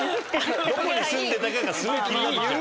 どこに住んでたかがすごい気になっちゃう。